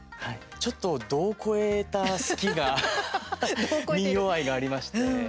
ちょっと度を超えた好きが民謡愛がありまして。